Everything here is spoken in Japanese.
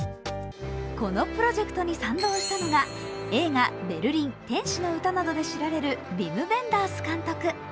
このプロジェクトに賛同したのが映画「ベルリン・天使の詩」などで知られるヴィム・ヴェンダース監督。